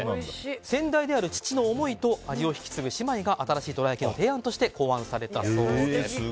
先代である父の思いと味を引き継ぐ姉妹が新しいどら焼きの提案として考案されたそうです。